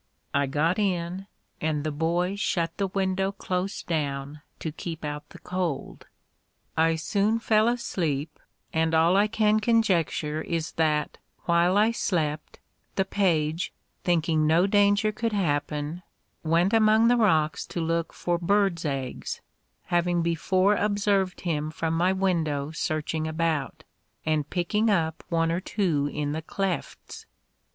I got in, and the boy shut the window close down to keep out the cold. I soon fell asleep, and all I can conjecture is that, while I slept, the page, thinking no danger could happen, went among the rocks to look for birds' eggs, having before observed him from my window searching about, and picking up one or two in the clefts.